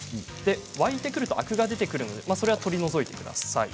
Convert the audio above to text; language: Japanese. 沸いてくるとアクが出てくるので取り除いてください。